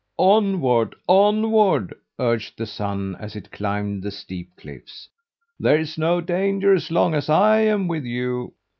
"Onward, onward!" urged the Sun as it climbed the steep cliffs. "There's no danger so long as I am with you."